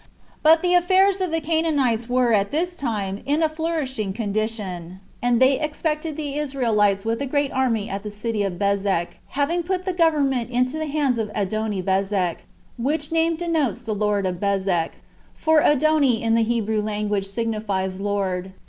2. But the affairs of the Canaanites were at this time in a flourishing condition, and they expected the Israelites with a great army at the city Bezek, having put the government into the hands of Adonibezek, which name denotes the Lord of Bezek, for Adoni in the Hebrew tongue signifies Lord.